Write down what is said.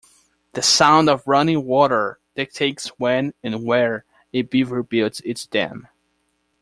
The sound of running water dictates when and where a beaver builds its dam.